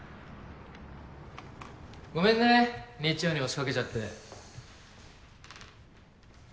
ごめんね日曜に押しかけちゃって。